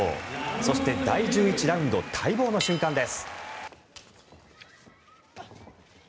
そして第１１ラウンド待望の瞬間です。